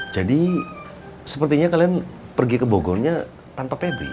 jadi sepertinya kalian pergi ke bogornya tanpa pebli